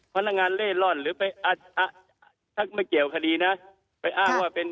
พนักงานเล่ร่อนหรือไปถ้าไม่เกี่ยวคดีนะไปอ้างว่าเป็น